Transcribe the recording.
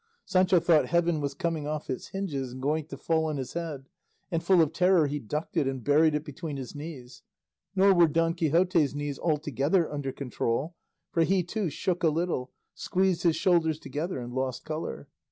Sancho thought heaven was coming off its hinges and going to fall on his head, and full of terror he ducked it and buried it between his knees; nor were Don Quixote's knees altogether under control, for he too shook a little, squeezed his shoulders together and lost colour.